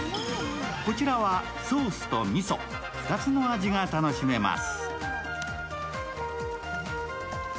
こちらはソースとみそ、２つの味が楽しめます。